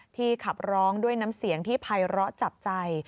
ที่ขับร้องด้วยน้ำเสียงที่ภายเหราะจับใจ